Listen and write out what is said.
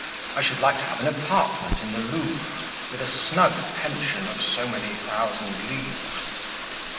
I should like to have an apartment in the Louvre, with a snug pension of so many thousand livres."